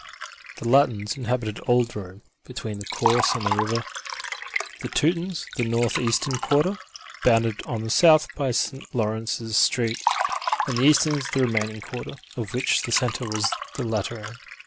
The Latins inhabited old Rome, between the Course and the river; the Teutons the northeastern quarter, bounded on the south by St. Laurence's Street; and the Easterns the remaining quarter, of which the centre was the Lateran.